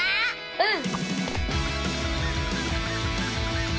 うん！